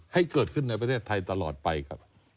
ให้เกิดขึ้นในประเทศไทยตลอดไปครับ